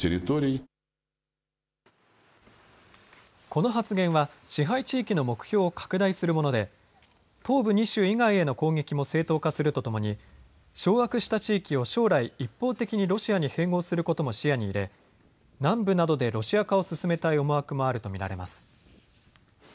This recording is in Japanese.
この発言は支配地域の目標を拡大するもので東部２州以外への攻撃も正当化するとともに、掌握した地域を将来、一方的にロシアに併合することも視野に入れ南部などでロシア化を進めたい思惑もあると見られます。